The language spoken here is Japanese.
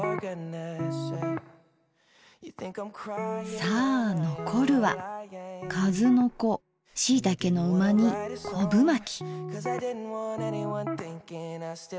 さあ残るはかずのこしいたけのうま煮こぶまき。